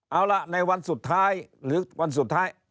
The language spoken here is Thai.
เอาล่ะในวันสุดท้ายหรือวันสุดท้าย